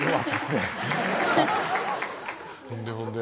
ねっほんでほんで？